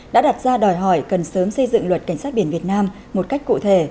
đã đặt ra đòi hỏi cần sớm xây dựng luật cảnh sát biển việt nam một cách cụ thể